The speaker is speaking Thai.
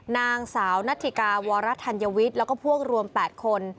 นางสาวนัทธิกาวรธัญวิทย์แล้วก็พวกรวม๘คน